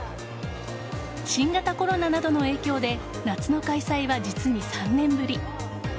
新型コロナなどの影響で夏の開催は実に３年ぶり。